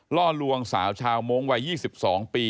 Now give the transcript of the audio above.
ล่อลวงสาวชาวโม้งวัย๒๒ปี